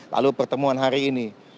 lalu pertemuan hari ini